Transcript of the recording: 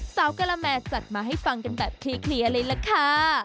กะละแมจัดมาให้ฟังกันแบบเคลียร์เลยล่ะค่ะ